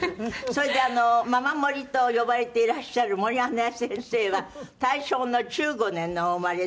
それでママモリと呼ばれていらっしゃる森英恵先生は大正の１５年のお生まれで。